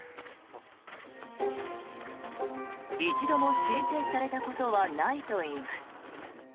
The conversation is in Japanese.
一度も申請されたことはないといいます。